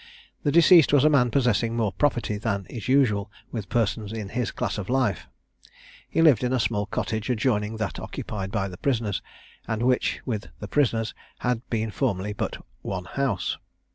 The deceased was a man possessing more property than is usual with persons in his class of life. He lived in a small cottage adjoining that occupied by the prisoners, and which, with the prisoners', had been formerly but one house.